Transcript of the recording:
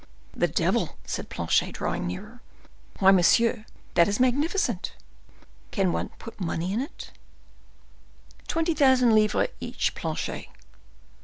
"The devil!" said Planchet, drawing nearer. "Why, monsieur, that is magnificent! Can one put much money in it?" "Twenty thousand livres each, Planchet."